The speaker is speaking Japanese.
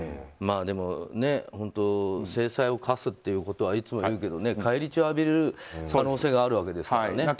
でも、本当制裁を科すっていうことはいつも言うけど返り血を浴びる可能性があるわけですからね。